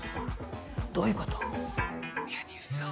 どういうこと？